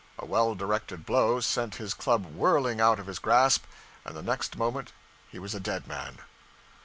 A well directed blow sent his club whirling out of his grasp, and the next moment he was a dead man.